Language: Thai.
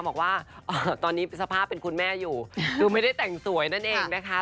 บอกว่าตอนนี้สภาพเป็นคุณแม่อยู่คือไม่ได้แต่งสวยนั่นเองนะคะ